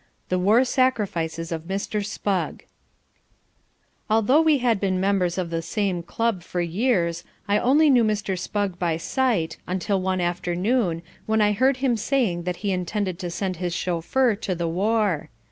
2. The War Sacrifices of Mr. Spugg Although we had been members of the same club for years, I only knew Mr. Spugg by sight until one afternoon when I heard him saying that he intended to send his chauffeur to the war.